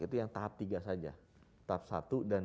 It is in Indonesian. itu yang tahap tiga saja tahap satu dan